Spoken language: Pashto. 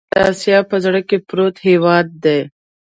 افغانستان د آسیا په زړه کې پروت هېواد دی.